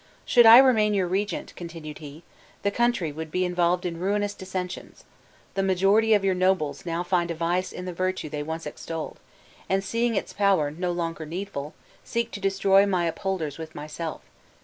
"Should I remain your regent," continued he, "the country would be involved in ruinous dissensions. The majority of your nobles now find a vice in the virtue they once extolled; and seeing its power, no longer needful, seek to destroy my upholders with myself.